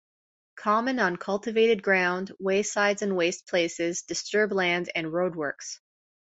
Common on cultivated ground, waysides and waste places, disturbed land and roadworks.